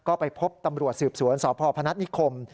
ก็ไปพบตำรวจสืบสวนสพพนัฐนิคม